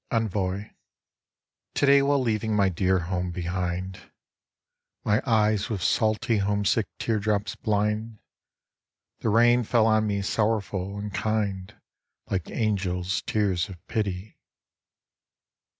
ENVOI To day while leaving my dear home behind, My eyes with salty homesick teardrops blind, The rain fell on me sorrowful and kind Like angels' tears of pity.